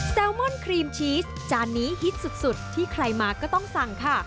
ลมอนครีมชีสจานนี้ฮิตสุดที่ใครมาก็ต้องสั่งค่ะ